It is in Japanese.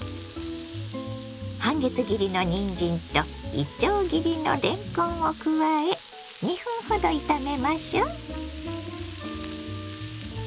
半月切りのにんじんといちょう切りのれんこんを加え２分ほど炒めましょ。